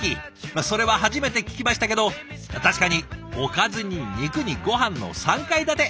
それは初めて聞きましたけど確かにおかずに肉にごはんの３階建て。